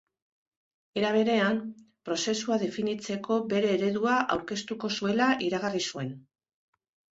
Era berean, prozesua definitzeko bere eredua aurkeztuko zuela iragarri zuen.